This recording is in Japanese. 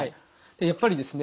やっぱりですね